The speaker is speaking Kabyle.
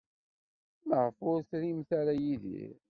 Maɣef ur trimt ara Yidir?